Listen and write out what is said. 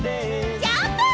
ジャンプ！